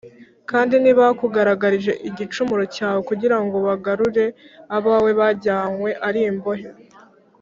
Kandi ntibakugaragarije igicumuro cyawe, Kugira ngo bagarure abawe bajyanywe ari imbohe.